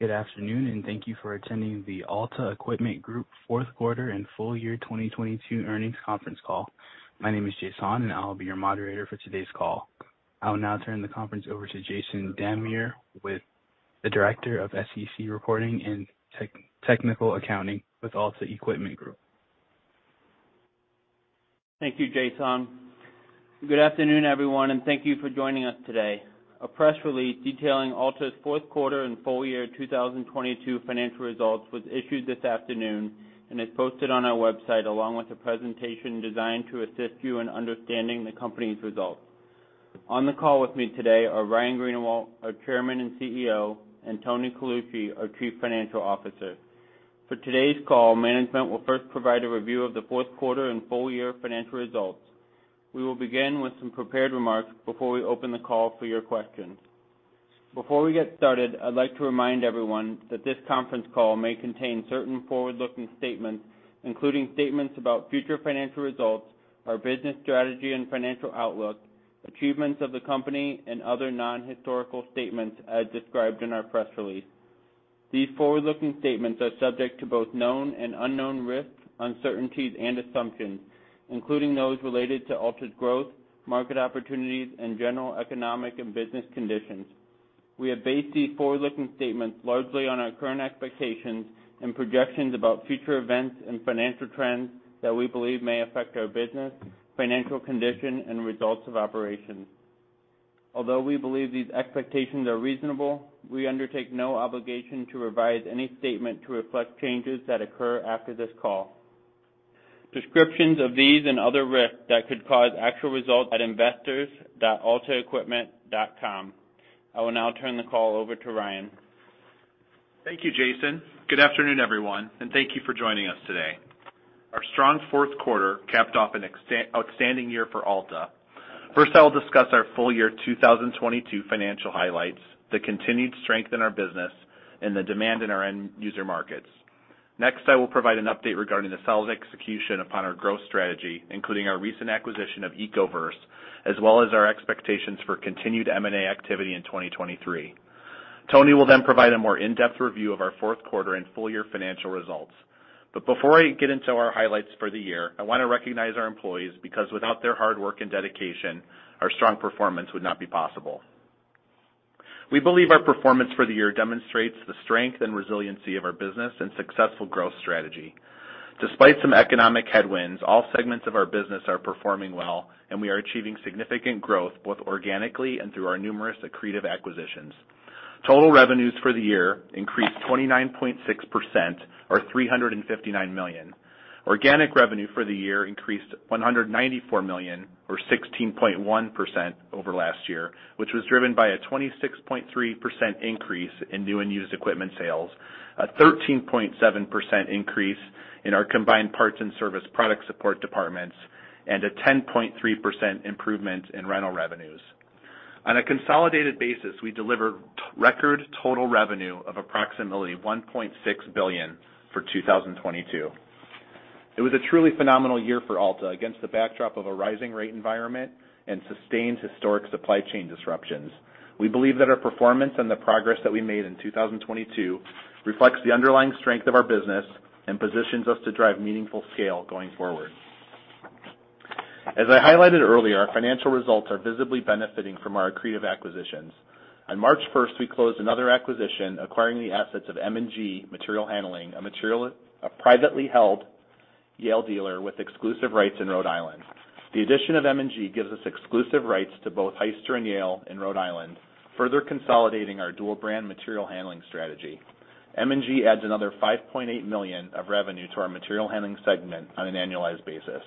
Good afternoon, and thank you for attending the Alta Equipment Group fourth quarter and full year 2022 earnings conference call. My name is Jason, and I will be your moderator for today's call. I will now turn the conference over to Jason Dammeyer, with the Director of SEC Reporting and Technical Accounting with Alta Equipment Group. Thank you, Jason. Good afternoon, everyone, and thank you for joining us today. A press release detailing Alta's fourth quarter and full year 2022 financial results was issued this afternoon and is posted on our website, along with a presentation designed to assist you in understanding the company's results. On the call with me today are Ryan Greenawalt, our Chairman and CEO, and Tony Colucci, our Chief Financial Officer. For today's call, management will first provide a review of the fourth quarter and full year financial results. We will begin with some prepared remarks before we open the call for your questions. Before we get started, I'd like to remind everyone that this conference call may contain certain forward-looking statements, including statements about future financial results, our business strategy and financial outlook, achievements of the company and other non-historical statements as described in our press release. These forward-looking statements are subject to both known and unknown risks, uncertainties and assumptions, including those related to Alta's growth, market opportunities and general economic and business conditions. We have based these forward-looking statements largely on our current expectations and projections about future events and financial trends that we believe may affect our business, financial condition and results of operations. Although we believe these expectations are reasonable, we undertake no obligation to revise any statement to reflect changes that occur after this call. Descriptions of these and other risks that could cause actual results at investors.altaequipment.com. I will now turn the call over to Ryan. Thank you, Jason. Good afternoon, everyone, thank you for joining us today. Our strong fourth quarter capped off an outstanding year for Alta. First, I'll discuss our full year 2022 financial highlights, the continued strength in our business and the demand in our end user markets. Next, I will provide an update regarding the solid execution upon our growth strategy, including our recent acquisition of Ecoverse, as well as our expectations for continued M&A activity in 2023. Tony will provide a more in-depth review of our fourth quarter and full year financial results. Before I get into our highlights for the year, I wanna recognize our employees because without their hard work and dedication, our strong performance would not be possible. We believe our performance for the year demonstrates the strength and resiliency of our business and successful growth strategy. Despite some economic headwinds, all segments of our business are performing well, and we are achieving significant growth, both organically and through our numerous accretive acquisitions. Total revenues for the year increased 29.6% or $359 million. Organic revenue for the year increased $194 million or 16.1% over last year, which was driven by a 26.3% increase in new and used equipment sales, a 13.7% increase in our combined parts and service product support departments, and a 10.3% improvement in rental revenues. On a consolidated basis, we delivered record total revenue of approximately $1.6 billion for 2022. It was a truly phenomenal year for Alta against the backdrop of a rising rate environment and sustained historic supply chain disruptions. We believe that our performance and the progress that we made in 2022 reflects the underlying strength of our business and positions us to drive meaningful scale going forward. As I highlighted earlier, our financial results are visibly benefiting from our accretive acquisitions. On March 1, we closed another acquisition, acquiring the assets of M&G Materials Handling, a privately held Yale dealer with exclusive rights in Rhode Island. The addition of M&G gives us exclusive rights to both Hyster and Yale in Rhode Island, further consolidating our dual-brand material handling strategy. M&G adds another $5.8 million of revenue to our material handling segment on an annualized basis.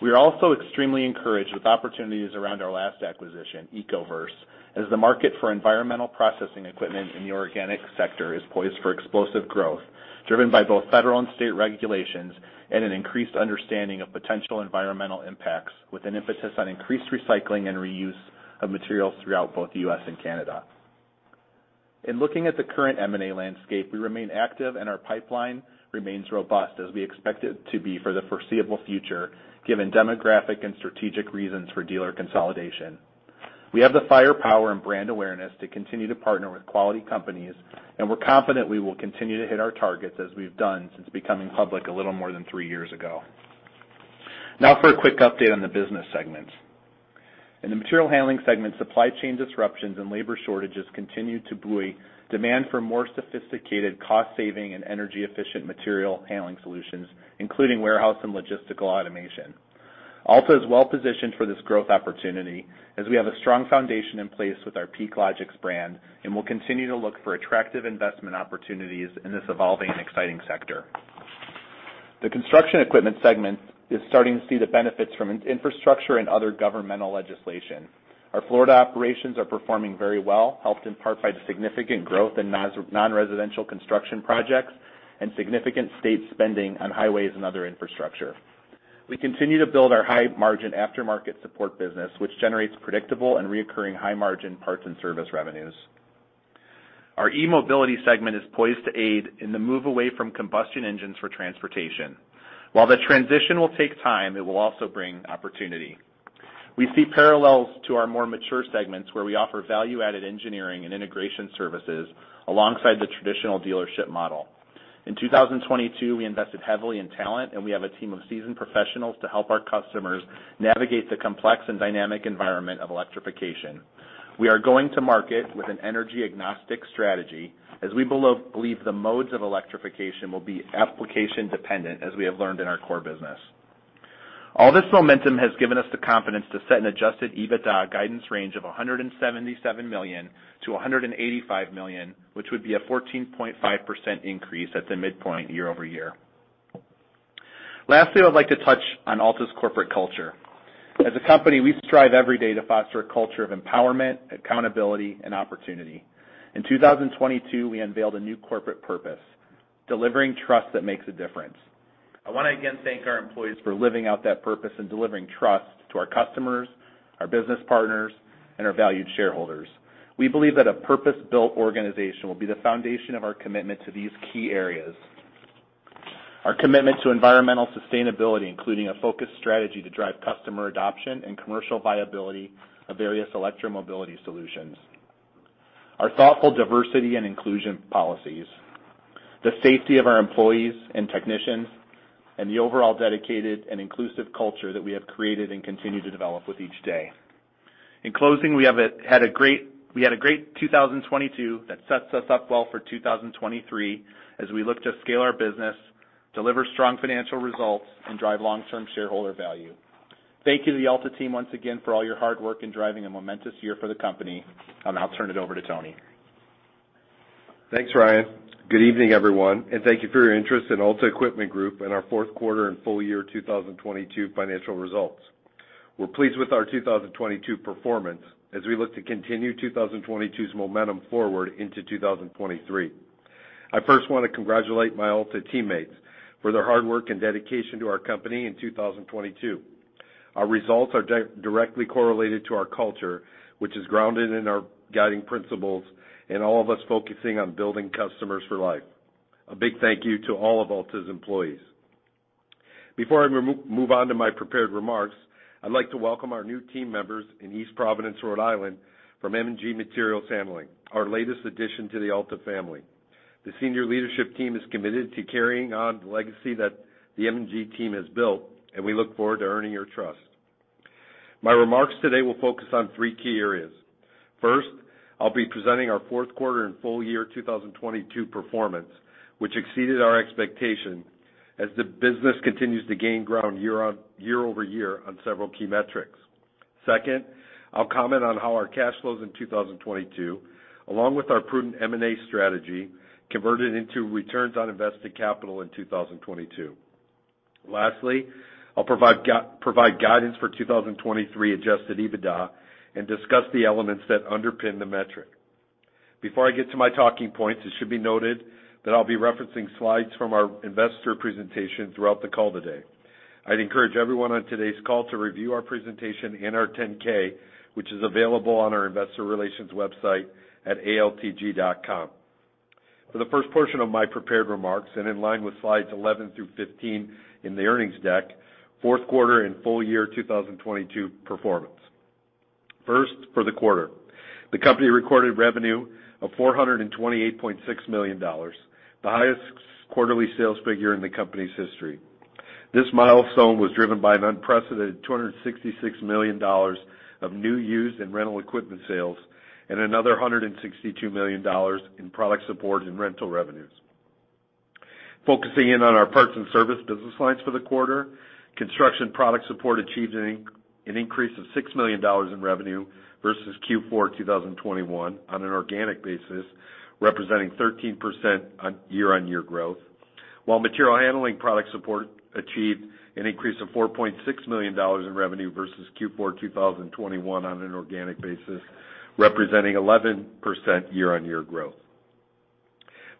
We are also extremely encouraged with opportunities around our last acquisition, Ecoverse, as the market for environmental processing equipment in the organic sector is poised for explosive growth, driven by both federal and state regulations and an increased understanding of potential environmental impacts with an impetus on increased recycling and reuse of materials throughout both the US and Canada. In looking at the current M&A landscape, we remain active and our pipeline remains robust as we expect it to be for the foreseeable future, given demographic and strategic reasons for dealer consolidation. We have the firepower and brand awareness to continue to partner with quality companies, and we're confident we will continue to hit our targets as we've done since becoming public a little more than three years ago. Now for a quick update on the business segments. In the material handling segment, supply chain disruptions and labor shortages continue to buoy demand for more sophisticated cost-saving and energy-efficient material handling solutions, including warehouse and logistical automation. Alta is well-positioned for this growth opportunity as we have a strong foundation in place with our PeakLogix brand. We'll continue to look for attractive investment opportunities in this evolving and exciting sector. The construction equipment segment is starting to see the benefits from infrastructure and other governmental legislation. Our Florida operations are performing very well, helped in part by the significant growth in non-residential construction projects and significant state spending on highways and other infrastructure. We continue to build our high-margin aftermarket support business, which generates predictable and recurring high-margin parts and service revenues. Our eMobility segment is poised to aid in the move away from combustion engines for transportation. While the transition will take time, it will also bring opportunity. We see parallels to our more mature segments where we offer value-added engineering and integration services alongside the traditional dealership model. In 2022, we invested heavily in talent. We have a team of seasoned professionals to help our customers navigate the complex and dynamic environment of electrification. We are going to market with an energy-agnostic strategy as we believe the modes of electrification will be application-dependent, as we have learned in our core business. All this momentum has given us the confidence to set an Adjusted EBITDA guidance range of $177 million-185 million, which would be a 14.5% increase at the midpoint year-over-year. Lastly, I would like to touch on Alta's corporate culture. As a company, we strive every day to foster a culture of empowerment, accountability, and opportunity. In 2022, we unveiled a new corporate purpose: delivering trust that makes a difference. I wanna again thank our employees for living out that purpose and delivering trust to our customers, our business partners, and our valued shareholders. We believe that a purpose-built organization will be the foundation of our commitment to these key areas. Our commitment to environmental sustainability, including a focused strategy to drive customer adoption and commercial viability of various electromobility solutions. Our thoughtful diversity and inclusion policies. The safety of our employees and technicians, and the overall dedicated and inclusive culture that we have created and continue to develop with each day. In closing, we had a great 2022 that sets us up well for 2023 as we look to scale our business, deliver strong financial results, and drive long-term shareholder value. Thank you to the Alta team once again for all your hard work in driving a momentous year for the company. I'll turn it over to Tony. Thanks, Ryan. Good evening, everyone, and thank you for your interest in Alta Equipment Group and our fourth quarter and full year 2022 financial results. We're pleased with our 2022 performance as we look to continue 2022's momentum forward into 2023. I first wanna congratulate my Alta teammates for their hard work and dedication to our company in 2022. Our results are directly correlated to our culture, which is grounded in our guiding principles and all of us focusing on building customers for life. A big thank you to all of Alta's employees. Before I move on to my prepared remarks, I'd like to welcome our new team members in East Providence, Rhode Island from M&G Materials Handling, our latest addition to the Alta family. The senior leadership team is committed to carrying on the legacy that the M&G team has built. We look forward to earning your trust. My remarks today will focus on three key areas. First, I'll be presenting our fourth quarter and full year 2022 performance, which exceeded our expectation as the business continues to gain ground year-over-year on several key metrics. Second, I'll comment on how our cash flows in 2022, along with our prudent M&A strategy, converted into returns on invested capital in 2022. Lastly, I'll provide guidance for 2023 Adjusted EBITDA and discuss the elements that underpin the metric. Before I get to my talking points, it should be noted that I'll be referencing slides from our investor presentation throughout the call today. I'd encourage everyone on today's call to review our presentation and our 10-K, which is available on our investor relations website at altg.com. For the first portion of my prepared remarks, and in line with slides 11 through 15 in the earnings deck, fourth quarter and full year 2022 performance. First, for the quarter. The company recorded revenue of $428.6 million, the highest quarterly sales figure in the company's history. This milestone was driven by an unprecedented $266 million of new, used, and rental equipment sales and another $162 million in product support and rental revenues. Focusing in on our parts and service business lines for the quarter, construction product support achieved an increase of $6 million in revenue versus Q4 2021 on an organic basis, representing 13% year-on-year growth, while material handling product support achieved an increase of $4.6 million in revenue versus Q4 2021 on an organic basis, representing 11% year-on-year growth.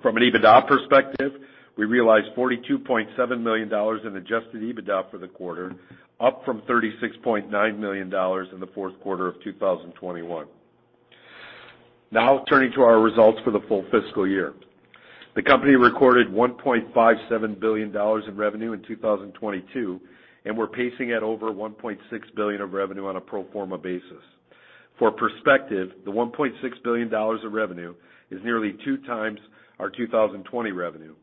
From an Adjusted EBITDA perspective, we realized $42.7 million in Adjusted EBITDA for the quarter, up from $36.9 million in the fourth quarter of 2021. Turning to our results for the full fiscal year. The company recorded $1.57 billion in revenue in 2022. We're pacing at over $1.6 billion of revenue on a pro forma basis. For perspective, the $1.6 billion of revenue is nearly 2x our 2020 revenue,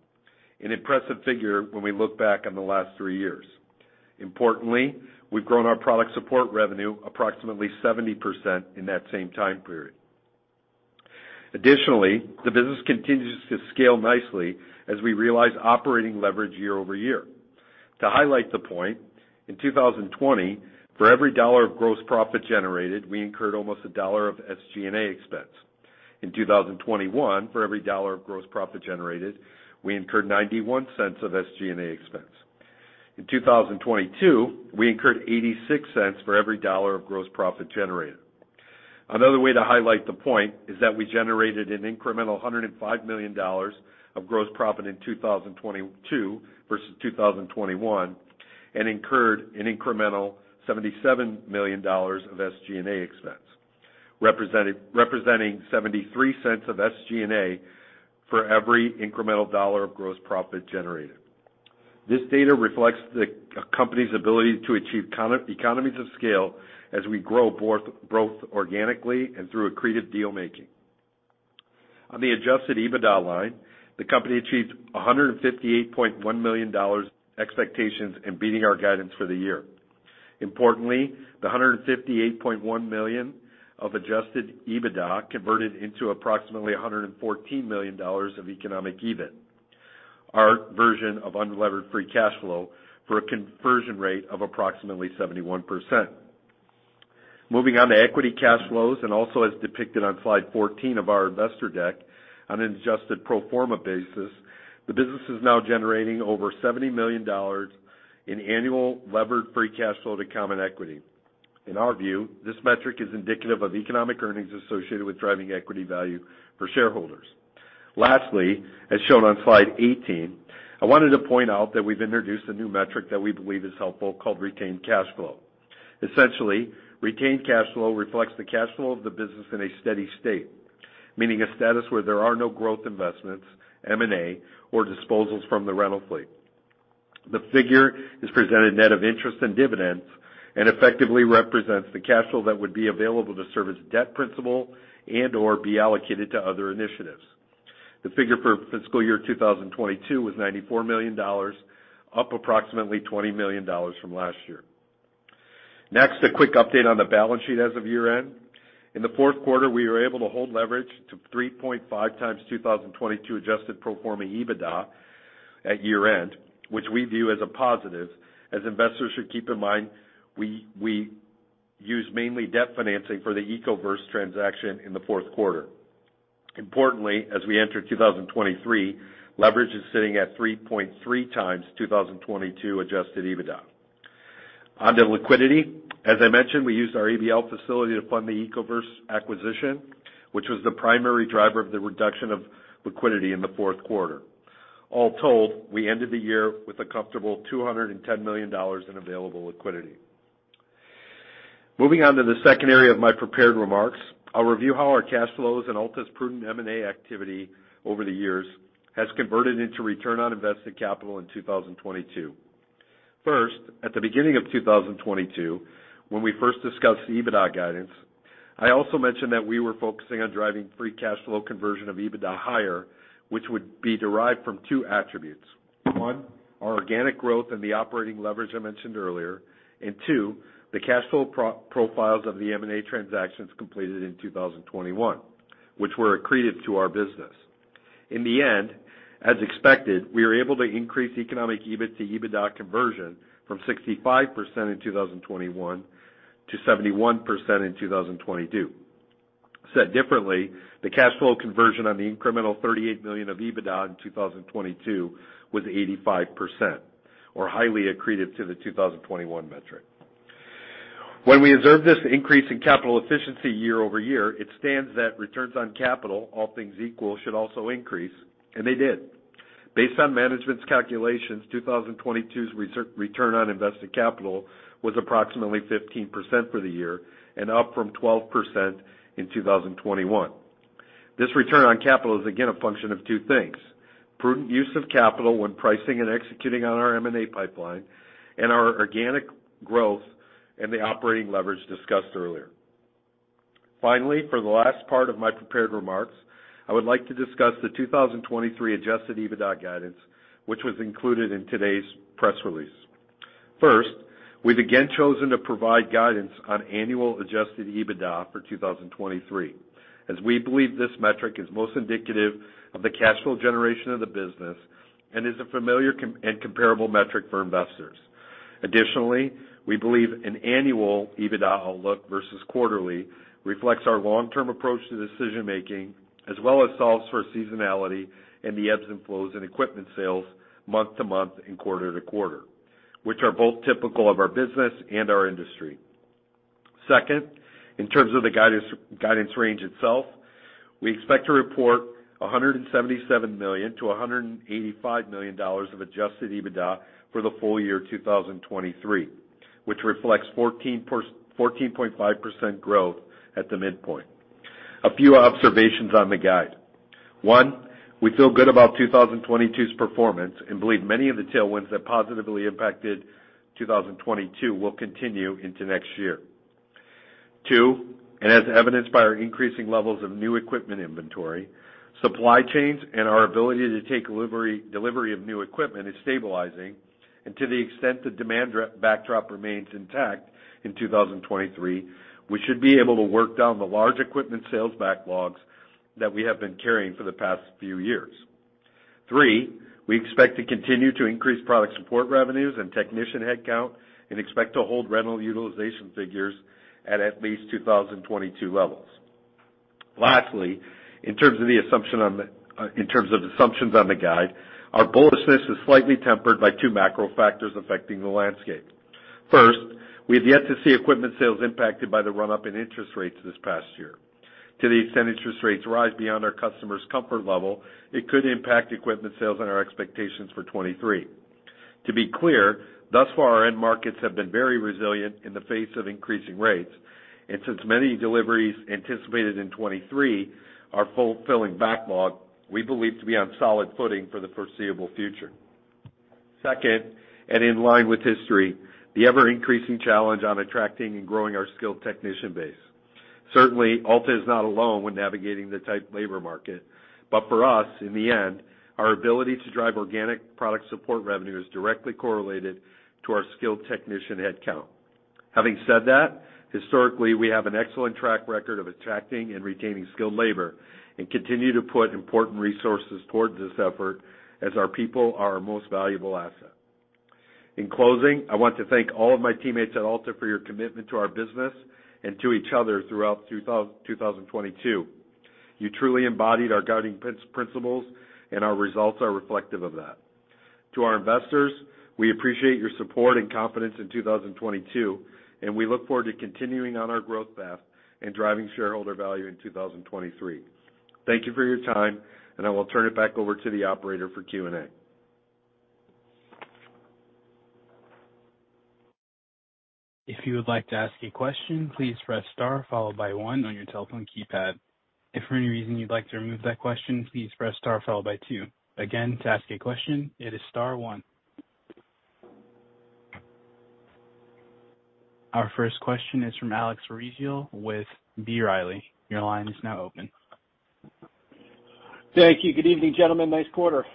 an impressive figure when we look back on the last three years. We've grown our product support revenue approximately 70% in that same time period. The business continues to scale nicely as we realize operating leverage year-over-year. To highlight the point, in 2020, for every $1 of gross profit generated, we incurred almost $1 of SG&A expense. In 2021, for every $1 of gross profit generated, we incurred $0.91 of SG&A expense. In 2022, we incurred $0.86 for every $1 of gross profit generated. Another way to highlight the point is that we generated an incremental $105 million of gross profit in 2022 versus 2021 and incurred an incremental $77 million of SG&A expense, representing $0.73 of SG&A for every incremental dollar of gross profit generated. This data reflects a company's ability to achieve economies of scale as we grow both organically and through accretive deal-making. On the Adjusted EBITDA line, the company achieved $158.1 million expectations, beating our guidance for the year. Importantly, the $158.1 million of Adjusted EBITDA converted into approximately $114 million of economic EBIT, our version of unlevered free cash flow, for a conversion rate of approximately 71%. Moving on to equity cash flows, and also as depicted on slide 14 of our investor deck, on an adjusted pro forma basis, the business is now generating over $70 million in annual levered free cash flow to common equity. In our view, this metric is indicative of economic earnings associated with driving equity value for shareholders. Lastly, as shown on slide 18, I wanted to point out that we've introduced a new metric that we believe is helpful, called retained cash flow. Essentially, retained cash flow reflects the cash flow of the business in a steady state, meaning a status where there are no growth investments, M&A, or disposals from the rental fleet. The figure is presented net of interest and dividends and effectively represents the cash flow that would be available to service debt principal and/or be allocated to other initiatives. The figure for fiscal year 2022 was $94 million, up approximately $20 million from last year. Next, a quick update on the balance sheet as of year-end. In the fourth quarter, we were able to hold leverage to 3.5x 2022 adjusted pro forma EBITDA at year-end, which we view as a positive, as investors should keep in mind, we use mainly debt financing for the Ecoverse transaction in the fourth quarter. Importantly, as we enter 2023, leverage is sitting at 3.3x 2022 Adjusted EBITDA. On the liquidity, as I mentioned, we used our ABL facility to fund the Ecoverse acquisition, which was the primary driver of the reduction of liquidity in the fourth quarter. All told, we ended the year with a comfortable $210 million in available liquidity. Moving on to the second area of my prepared remarks, I'll review how our cash flows and Alta's prudent M&A activity over the years has converted into return on invested capital in 2022. First, at the beginning of 2022, when we first discussed the EBITDA guidance, I also mentioned that we were focusing on driving free cash flow conversion of EBITDA higher, which would be derived from two attributes. one, our organic growth and the operating leverage I mentioned earlier, and two, the cash flow pro-profiles of the M&A transactions completed in 2021, which were accretive to our business. In the end, as expected, we were able to increase economic EBIT to EBITDA conversion from 65% in 2021 to 71% in 2022. Said differently, the cash flow conversion on the incremental $38 million of EBITDA in 2022 was 85% or highly accretive to the 2021 metric. When we observe this increase in capital efficiency year-over-year, it stands that returns on capital, all things equal, should also increase, and they did. Based on management's calculations, 2022's return on invested capital was approximately 15% for the year and up from 12% in 2021. This return on capital is again a function of two things: prudent use of capital when pricing and executing on our M&A pipeline and our organic growth and the operating leverage discussed earlier. Finally, for the last part of my prepared remarks, I would like to discuss the 2023 Adjusted EBITDA guidance, which was included in today's press release. We've again chosen to provide guidance on annual Adjusted EBITDA for 2023, as we believe this metric is most indicative of the cash flow generation of the business and is a familiar and comparable metric for investors. We believe an annual EBITDA outlook versus quarterly reflects our long-term approach to decision-making as well as solves for seasonality and the ebbs and flows in equipment sales month-to-month and quarter-to-quarter, which are both typical of our business and our industry. In terms of the guidance range itself, we expect to report $177 million-185 million of Adjusted EBITDA for the full year 2023, which reflects 14.5% growth at the midpoint. A few observations on the guide. One, we feel good about 2022's performance and believe many of the tailwinds that positively impacted 2022 will continue into next year. Two, as evidenced by our increasing levels of new equipment inventory, supply chains and our ability to take delivery of new equipment is stabilizing, and to the extent the demand backdrop remains intact in 2023, we should be able to work down the large equipment sales backlogs that we have been carrying for the past few years. Three, we expect to continue to increase product support revenues and technician headcount and expect to hold rental utilization figures at least 2022 levels. Lastly, in terms of assumptions on the guide, our boldness is slightly tempered by two macro factors affecting the landscape. First, we have yet to see equipment sales impacted by the run-up in interest rates this past year. To the extent interest rates rise beyond our customers' comfort level, it could impact equipment sales and our expectations for 2023. To be clear, thus far our end markets have been very resilient in the face of increasing rates, and since many deliveries anticipated in 2023 are fulfilling backlog, we believe to be on solid footing for the foreseeable future. Second, in line with history, the ever-increasing challenge on attracting and growing our skilled technician base. Certainly, Alta is not alone when navigating the tight labor market. But for us, in the end, our ability to drive organic product support revenue is directly correlated to our skilled technician headcount. Having said that, historically, we have an excellent track record of attracting and retaining skilled labor and continue to put important resources towards this effort as our people are our most valuable asset. In closing, I want to thank all of my teammates at Alta for your commitment to our business and to each other throughout 2022. You truly embodied our guiding principles, and our results are reflective of that. To our investors, we appreciate your support and confidence in 2022, and we look forward to continuing on our growth path and driving shareholder value in 2023. Thank you for your time, and I will turn it back over to the operator for Q&A. If you would like to ask a question, please press star followed by one on your telephone keypad. If for any reason you'd like to remove that question, please press star followed by two. Again, to ask a question, it is star one. Our first question is from Alex Rygiel with B. Riley. Your line is now open. Thank you. Good evening, gentlemen. Nice quarter.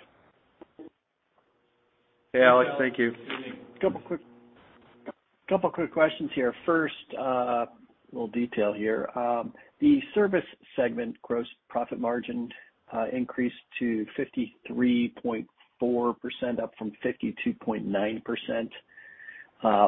Hey, Alex. Thank you. Couple quick questions here. First, a little detail here. The service segment gross profit margin increased to 53.4%, up from 52.9%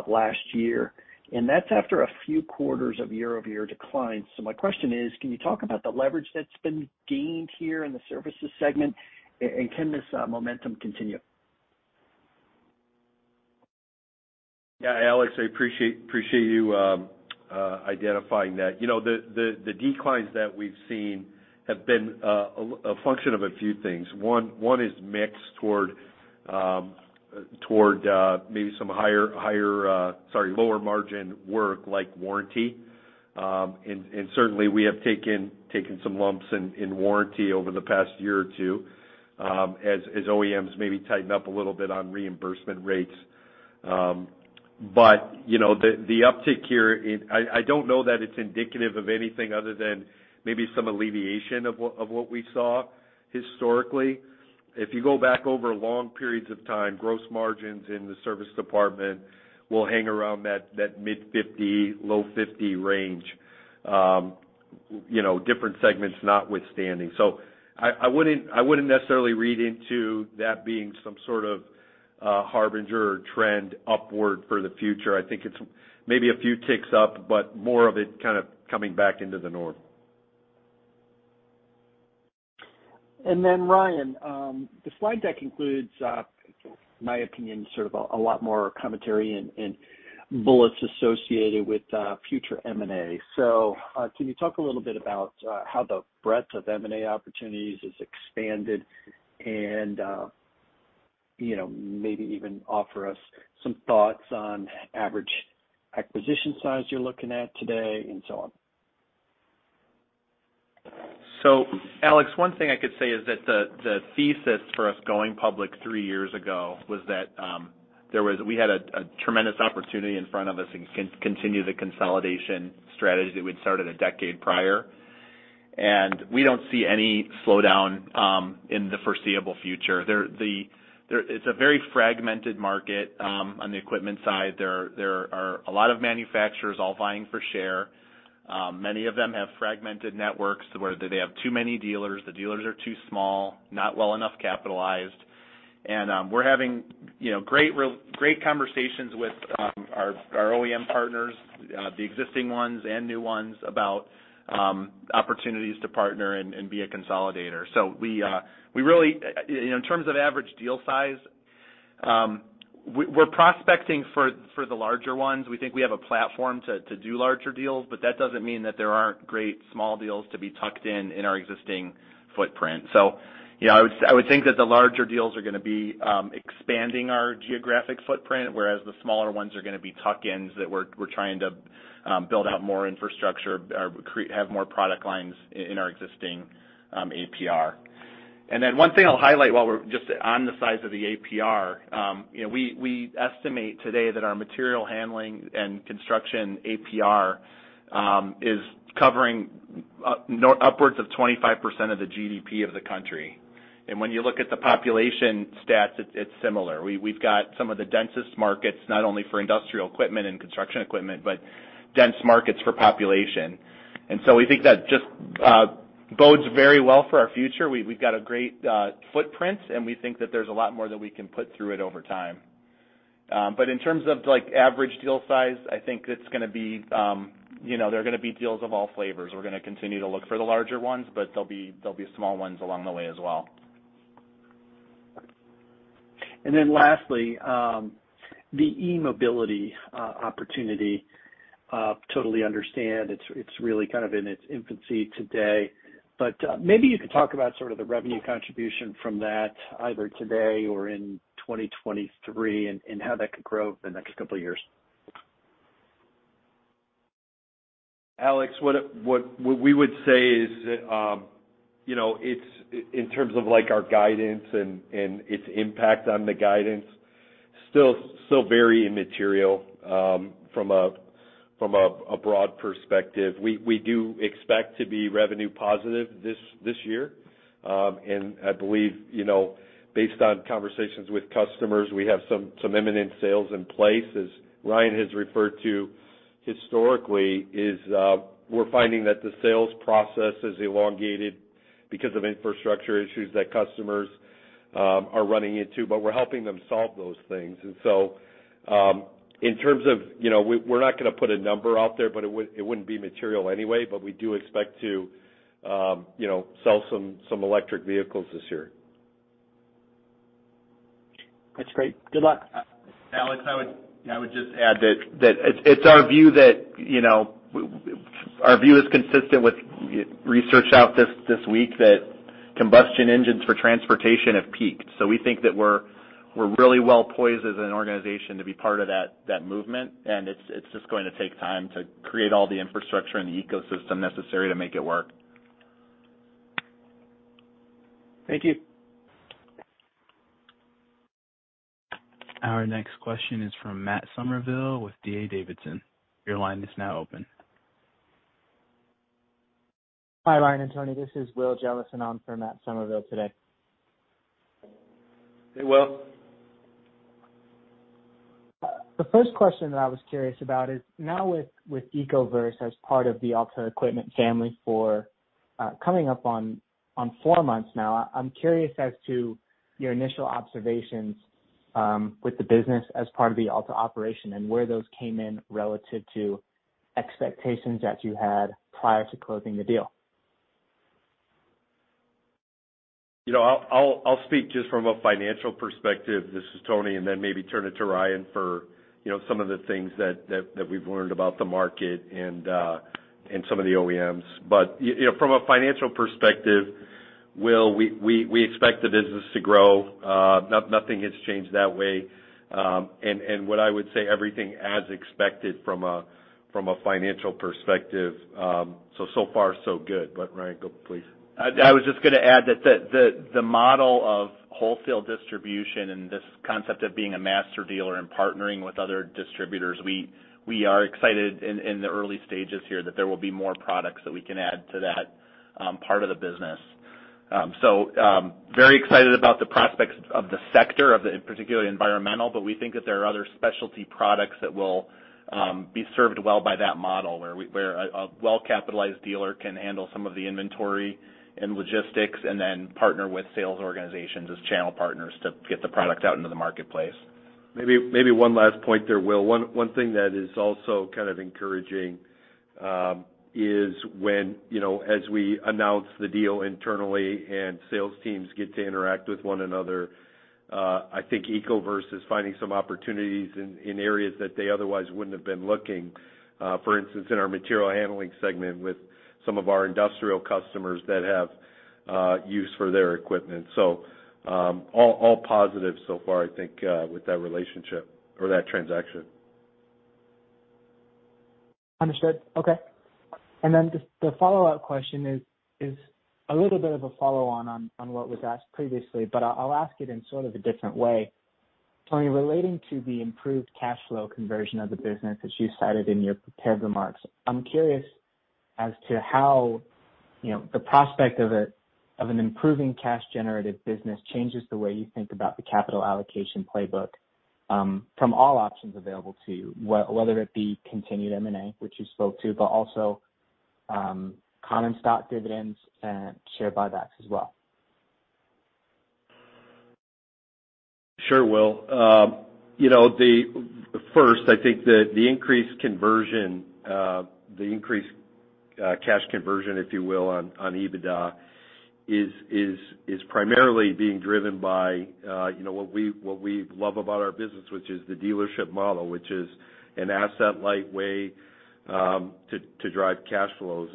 last year, and that's after a few quarters of year-over-year decline. My question is, can you talk about the leverage that's been gained here in the services segment? And can this momentum continue? Yeah, Alex, I appreciate you identifying that. You know, the declines that we've seen have been a function of a few things. One is mix toward maybe some higher, sorry, lower margin work like warranty. Certainly we have taken some lumps in warranty over the past year or two as OEMs maybe tighten up a little bit on reimbursement rates. You know, the uptick here I don't know that it's indicative of anything other than maybe some alleviation of what we saw historically. If you go back over long periods of time, gross margins in the service department will hang around that mid 50, low 50 range, you know, different segments notwithstanding. I wouldn't necessarily read into that being some sort of harbinger or trend upward for the future. I think it's maybe a few ticks up, but more of it kind of coming back into the norm. Ryan, the slide deck includes, in my opinion, sort of a lot more commentary and bullets associated with, future M&A. Can you talk a little bit about, how the breadth of M&A opportunities has expanded and, you know, maybe even offer us some thoughts on average acquisition size you're looking at today and so on? Alex, one thing I could say is that the thesis for us going public three years ago was that, we had a tremendous opportunity in front of us and continue the consolidation strategy that we'd started a decade prior. We don't see any slowdown in the foreseeable future. It's a very fragmented market on the equipment side. There are a lot of manufacturers all vying for share. Many of them have fragmented networks where they have too many dealers, the dealers are too small, not well enough capitalized. We're having, you know, great conversations with our OEM partners, the existing ones and new ones about opportunities to partner and be a consolidator. We, you know, in terms of average deal size, we're prospecting for the larger ones. We think we have a platform to do larger deals, but that doesn't mean that there aren't great small deals to be tucked in in our existing footprint. You know, I would think that the larger deals are gonna be expanding our geographic footprint, whereas the smaller ones are gonna be tuck-ins that we're trying to build out more infrastructure or have more product lines in our existing APR. One thing I'll highlight while we're just on the size of the APR, you know, we estimate today that our material handling and construction APR is covering upwards of 25% of the GDP of the country. When you look at the population stats, it's similar. We've got some of the densest markets, not only for industrial equipment and construction equipment, but dense markets for population. So we think that just bodes very well for our future. We, we've got a great footprint, and we think that there's a lot more that we can put through it over time. But in terms of, like, average deal size, I think it's gonna be, you know, there are gonna be deals of all flavors. We're gonna continue to look for the larger ones, but there'll be small ones along the way as well. Lastly, the eMobility opportunity. Totally understand it's really kind of in its infancy today. Maybe you could talk about sort of the revenue contribution from that either today or in 2023 and how that could grow over the next couple of years? Alex, what we would say is that, you know, in terms of like our guidance and its impact on the guidance, still very immaterial from a broad perspective. We do expect to be revenue positive this year. I believe, you know, based on conversations with customers, we have some imminent sales in place. As Ryan has referred to historically is, we're finding that the sales process is elongated because of infrastructure issues that customers are running into, but we're helping them solve those things. So, in terms of, you know, we're not gonna put a number out there, but it wouldn't be material anyway. We do expect to, you know, sell some electric vehicles this year. That's great. Good luck. Alex, I would just add that it's our view that, you know, our view is consistent with research out this week that combustion engines for transportation have peaked. We think that we're really well poised as an organization to be part of that movement, and it's just going to take time to create all the infrastructure and the ecosystem necessary to make it work. Thank you. Our next question is from Matt Summerville with D.A. Davidson. Your line is now open. Hi, Ryan and Tony. This is Will Jellison on for Matt Summerville today. Hey, Will. The first question that I was curious about is now with Ecoverse as part of the Alta Equipment family for coming up on four months now, I'm curious as to your initial observations with the business as part of the Alta operation and where those came in relative to expectations that you had prior to closing the deal. You know, I'll speak just from a financial perspective, this is Tony, and then maybe turn it to Ryan for, you know, some of the things that we've learned about the market and some of the OEMs. You know, from a financial perspective, Will, we expect the business to grow. Nothing has changed that way. What I would say everything as expected from a financial perspective, so far so good. Ryan, go please. I was just gonna add that the model of wholesale distribution and this concept of being a master dealer and partnering with other distributors, we are excited in the early stages here that there will be more products that we can add to that part of the business. Very excited about the prospects of the sector, of the particularly environmental, but we think that there are other specialty products that will be served well by that model, where a well-capitalized dealer can handle some of the inventory and logistics and then partner with sales organizations as channel partners to get the product out into the marketplace. Maybe one last point there, Will. One thing that is also kind of encouraging, is when, you know, as we announce the deal internally and sales teams get to interact with one another, I think Ecoverse is finding some opportunities in areas that they otherwise wouldn't have been looking. For instance, in our material handling segment with some of our industrial customers that have use for their equipment. All positive so far, I think, with that relationship or that transaction. Understood. Okay. Just the follow-up question is a little bit of a follow-on on what was asked previously, but I'll ask it in sort of a different way. Tony, relating to the improved cash flow conversion of the business that you cited in your prepared remarks, I'm curious as to how, you know, the prospect of an improving cash generative business changes the way you think about the capital allocation playbook, from all options available to you, whether it be continued M&A, which you spoke to, but also, common stock dividends and share buybacks as well. Sure, Will. You know, first, I think the increased conversion, the increased cash conversion, if you will, on EBITDA is primarily being driven by, you know, what we love about our business, which is the dealership model, which is an asset-light way to drive cash flows.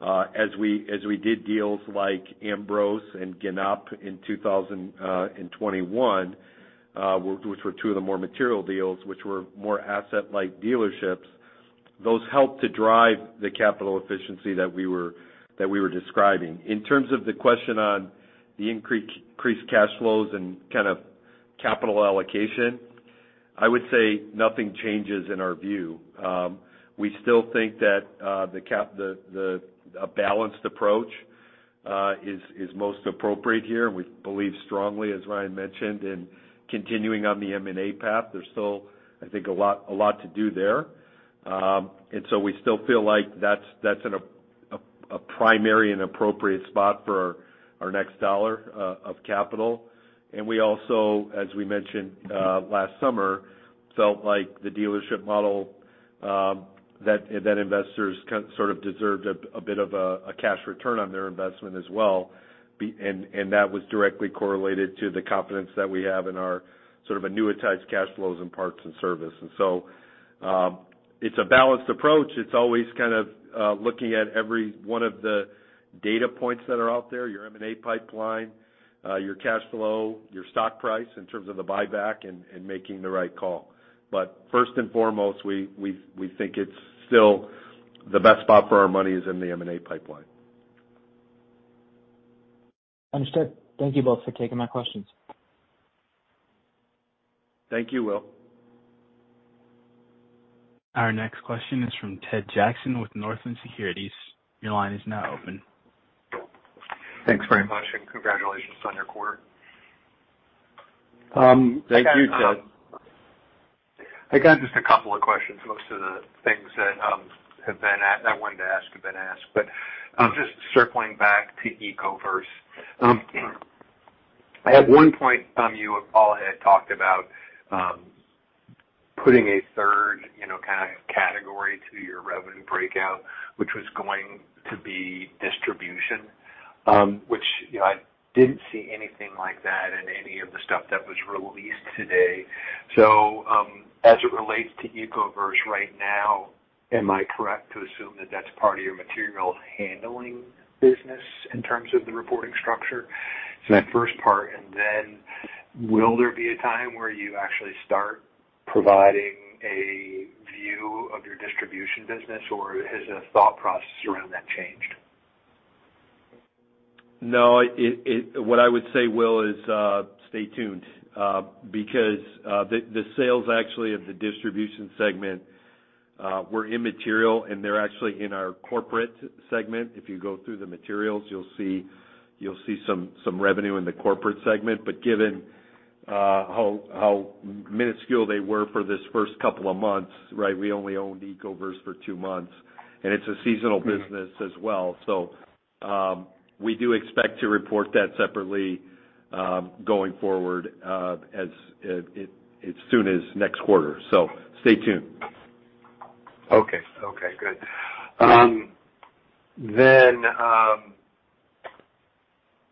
As we did deals like Ambrose and Ginop in 2021, which were two of the more material deals, which were more asset-light dealerships, those helped to drive the capital efficiency that we were describing. In terms of the question on the increased cash flows and kind of capital allocation, I would say nothing changes in our view. We still think that a balanced approach is most appropriate here. We believe strongly, as Ryan mentioned, in continuing on the M&A path. There's still, I think, a lot to do there. We still feel like that's in a primary and appropriate spot for our next dollar of capital. We also, as we mentioned last summer, felt like the dealership model that investors kind of deserved a bit of a cash return on their investment as well. And that was directly correlated to the confidence that we have in our sort of annuitized cash flows in parts and service. It's a balanced approach. It's always kind of looking at every one of the data points that are out there, your M&A pipeline, your cash flow, your stock price in terms of the buyback and making the right call. First and foremost, we think it's still the best spot for our money is in the M&A pipeline. Understood. Thank you both for taking my questions. Thank you, Will. Our next question is from Ted Jackson with Northland Securities. Your line is now open. Thanks very much, and congratulations on your quarter. Thank you, Ted. I got just a couple of questions. Most of the things that I wanted to ask have been asked. Just circling back to Ecoverse. At one point, you, Paul, had talked about putting a third, you know, kind of category to your revenue breakout, which was going to be distribution, which, you know, I didn't see anything like that in any of the stuff that was released today. As it relates to Ecoverse right now, am I correct to assume that that's part of your material handling business in terms of the reporting structure? That first part, and then will there be a time where you actually start providing a view of your distribution business, or has the thought process around that changed? No, what I would say, Will, is stay tuned because the sales actually of the distribution segment were immaterial, and they're actually in our corporate segment. If you go through the materials, you'll see some revenue in the corporate segment. Given how minuscule they were for this first couple of months, right? We only owned Ecoverse for two months, and it's a seasonal business as well. We do expect to report that separately going forward as soon as next quarter. Stay tuned. Okay. Okay, good.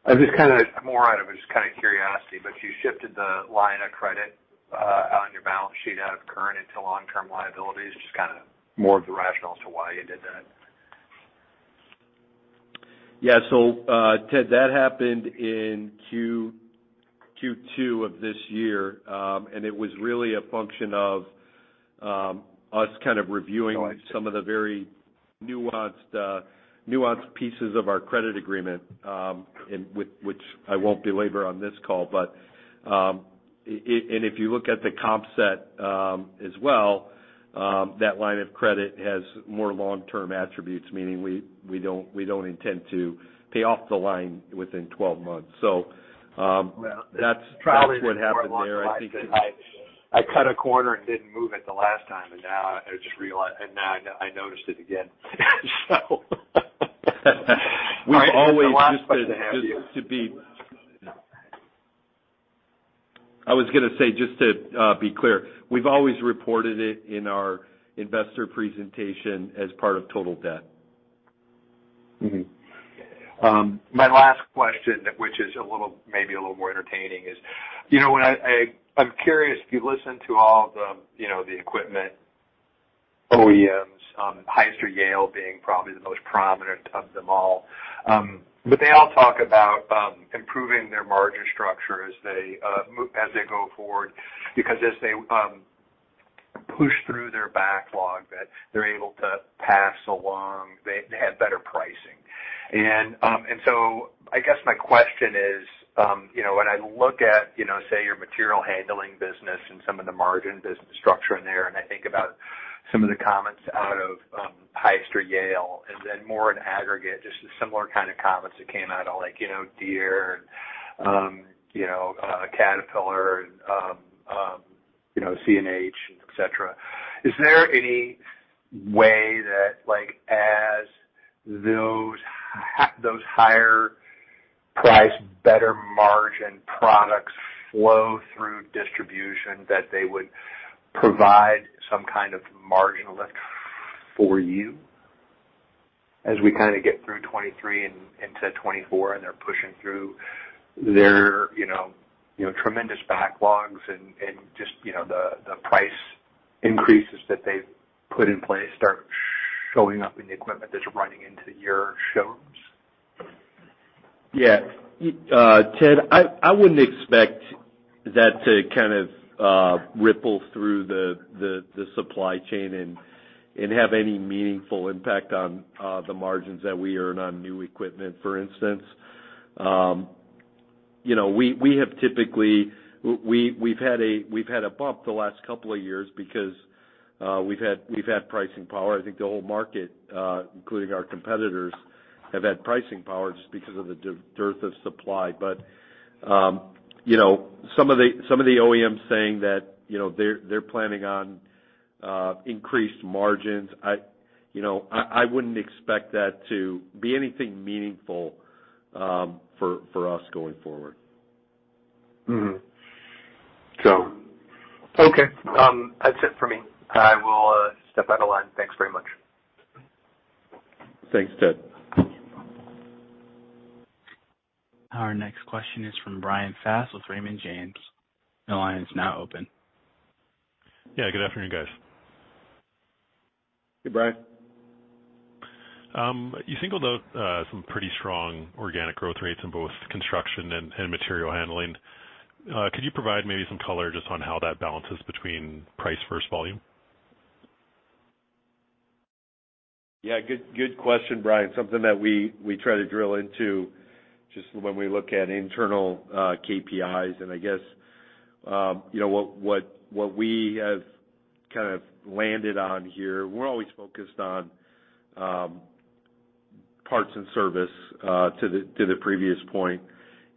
I'm just kinda more out of just kinda curiosity, but you shifted the line of credit, on your balance sheet out of current into long-term liabilities. Just kinda more of the rationale as to why you did that? Ted, that happened in Q2 of this year. And it was really a function of us kind of reviewing some of the very nuanced pieces of our credit agreement, and which I won't belabor on this call. And if you look at the comp set, as well, that line of credit has more long-term attributes, meaning we don't intend to pay off the line within 12 months. That's what happened there. I cut a corner and didn't move it the last time, and now I noticed it again. So. We've always just been. This is the last question I have here. I was gonna say, just to be clear, we've always reported it in our investor presentation as part of total debt. My last question, which is a little, maybe a little more entertaining, is, you know, when I'm curious, if you listen to all the, you know, the equipment OEMs, Hyster-Yale being probably the most prominent of them all. They all talk about improving their margin structure as they as they go forward, because as they push through their backlog that they're able to pass along, they have better pricing. I guess my question is, you know, when I look at, you know, say, your material handling business and some of the margin business structure in there, and I think about some of the comments out of Hyster-Yale and then more in aggregate, just similar kind of comments that came out of like, you know, Deere and, you know, Caterpillar and, you know, CNH, et cetera. Is there any way that, like, as those higher priced, better margin products flow through distribution, that they would provide some kind of margin lift for you as we kinda get through 2023 and into 2024 and they're pushing through their, you know, tremendous backlogs and, just, you know, the price increases that they've put in place start showing up in the equipment that's running into your showrooms? Yeah. Ted, I wouldn't expect that to kind of ripple through the supply chain and have any meaningful impact on the margins that we earn on new equipment, for instance. You know, we have typically we've had a bump the last couple of years because we've had pricing power. I think the whole market, including our competitors, have had pricing power just because of the dearth of supply. You know, some of the OEMs saying that, you know, they're planning on increased margins. I, you know, I wouldn't expect that to be anything meaningful for us going forward. So. That's it for me. I will step out of line. Thanks very much. Thanks, Ted. Our next question is from Bryan Fast with Raymond James. Your line is now open. Yeah. Good afternoon, guys. Hey, Bryan. You singled out some pretty strong organic growth rates in both construction and material handling. Could you provide maybe some color just on how that balances between price versus volume? Good question, Bryan. Something that we try to drill into just when we look at internal KPIs. I guess, you know, what we have kind of landed on here, we're always focused on parts and service to the previous point.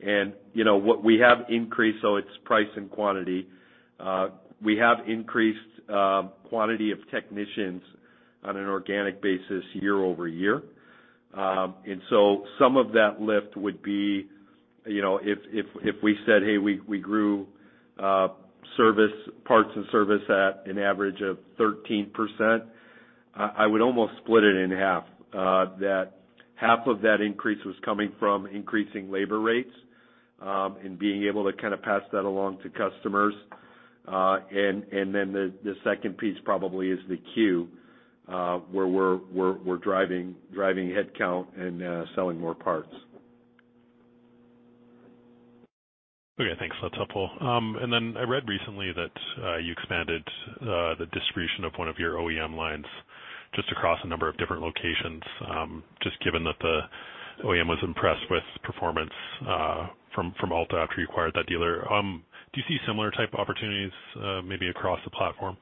You know, what we have increased, so it's price and quantity. We have increased quantity of technicians on an organic basis year-over-year. So some of that lift would be, you know, if we said, "Hey, we grew service, parts and service at an average of 13%," I would almost split it in half. That half of that increase was coming from increasing labor rates and being able to kind of pass that along to customers. The second piece probably is the Q, where we're driving headcount and selling more parts. Okay, thanks. That's helpful. I read recently that you expanded the distribution of one of your OEM lines just across a number of different locations, just given that the OEM was impressed with performance from Alta after you acquired that dealer. Do you see similar type opportunities maybe across the platform?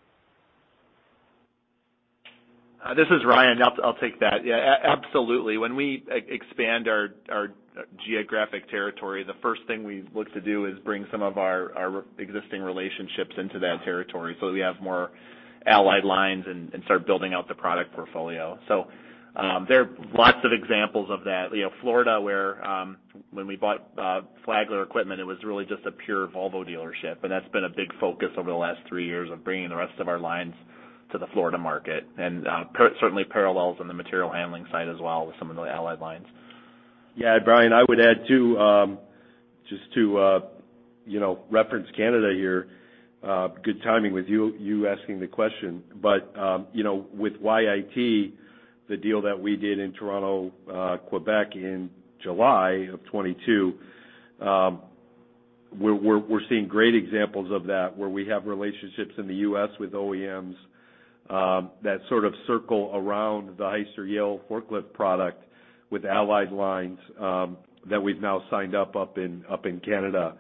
This is Ryan. I'll take that. Yeah, absolutely. When we expand our geographic territory, the first thing we look to do is bring some of our existing relationships into that territory, so we have more allied lines and start building out the product portfolio. There are lots of examples of that. You know, Florida, where when we bought Flagler Construction Equipment, it was really just a pure Volvo dealership, and that's been a big focus over the last three years of bringing the rest of our lines to the Florida market. Certainly parallels on the material handling side as well with some of the allied lines. Yeah. Bryan, I would add too, just to, you know, reference Canada here, good timing with you asking the question. You know, with YIT, the deal that we did in Toronto, Quebec in July of 2022, we're seeing great examples of that, where we have relationships in the U.S. with OEMs, that sort of circle around the Hyster-Yale forklift product with allied lines, that we've now signed up in Canada,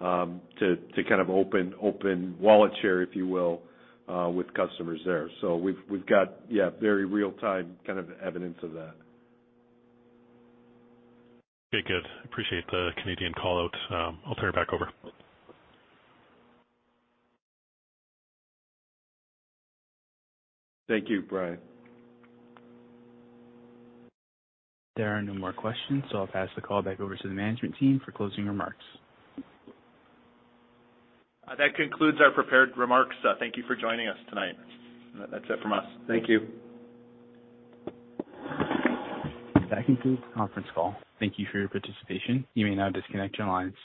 to kind of open wallet share, if you will, with customers there. We've got, yeah, very real time kind of evidence of that. Okay, good. Appreciate the Canadian callout. I'll turn it back over. Thank you, Bryan. There are no more questions, so I'll pass the call back over to the management team for closing remarks. That concludes our prepared remarks. Thank you for joining us tonight. That's it from us. Thank you. That concludes the conference call. Thank you for your participation. You may now disconnect your lines.